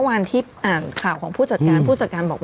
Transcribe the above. ว่ามีห่วยงานใด